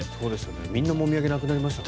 みんなもみあげなくなりましたよね。